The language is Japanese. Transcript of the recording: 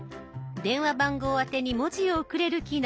電話番号あてに文字を送れる機能。